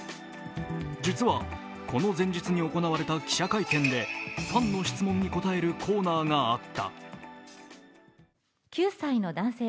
実はこの前日に行われた記者会見でファンの質問に答えるコーナーがあった。